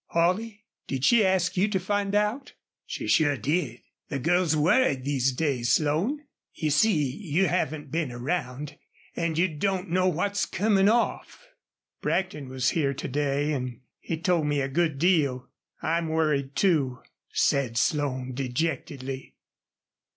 "Holley! Did she ask you to find out?" "She sure did. The girl's worried these days, Slone.... You see, you haven't been around, an' you don't know what's comin' off." "Brackton was here to day an' he told me a good deal. I'm worried, too," said Slone, dejectedly.